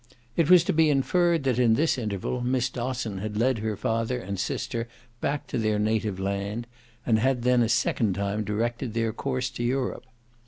It was to be inferred that in this interval Miss Dosson had led her father and sister back to their native land and had then a second time directed their course to Europe.